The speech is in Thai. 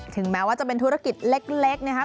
ถึงแม้ว่าจะเป็นธุรกิจเล็กนะครับ